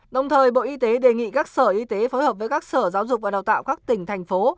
đồng thời bộ y tế đề nghị các sở y tế phối hợp với các sở giáo dục và đào tạo các tỉnh thành phố